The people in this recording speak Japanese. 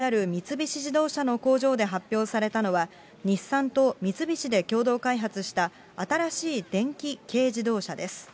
岡山にある三菱自動車の工場で発表されたのは、日産と三菱で共同開発した、新しい電気軽自動車です。